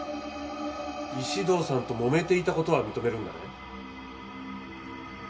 石堂さんともめていた事は認めるんだね？